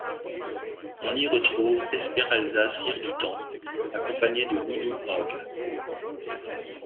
On y retrouve Esméralda Ciredutemps accompagnée de Nounou Ogg.